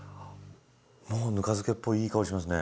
もうぬか漬けっぽいいい香りしますね。